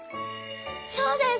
そうです！